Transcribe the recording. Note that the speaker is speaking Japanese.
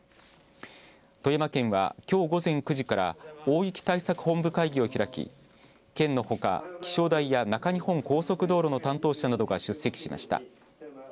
富山県は、きょう午前９時から大雪対策本部会議を開き県のほか、気象台や中日本高速道路の担当者などが出席しました。